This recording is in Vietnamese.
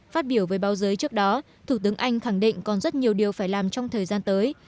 phát biểu với báo giới trước đó thủ tướng anh khẳng định còn rất nhiều điều phải làm trong thời gian tới